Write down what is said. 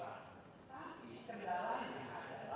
atap inget hal itu